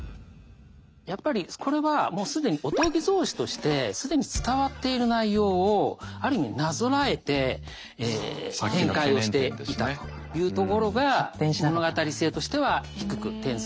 やっぱりこれはもう既に「御伽草子」として既に伝わっている内容をある意味なぞらえて展開をしていたというところが物語性としては低く点数させていただきました。